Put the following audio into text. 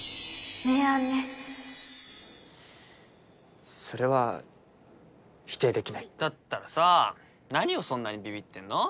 名案ねそれは否定できないだったらさ何をそんなにビビってんの？